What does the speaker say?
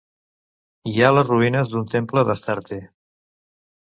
Hi ha les ruïnes d'un temple d'Astarte.